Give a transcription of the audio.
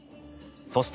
そして。